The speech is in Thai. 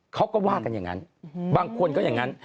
เขาก็ว่ากันอย่างนั้นบางคนก็อย่างนั้น